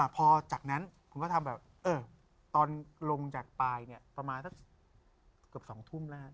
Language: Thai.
พอจากนั้นคุณก็ทำแบบตอนลงจากปลายเนี่ยประมาณสักเกือบ๒ทุ่มแล้ว